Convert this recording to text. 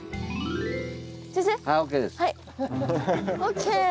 はいＯＫ。